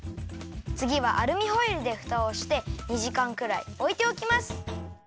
つぎはアルミホイルでふたをして２じかんくらいおいておきます！